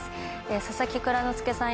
佐々木蔵之介さん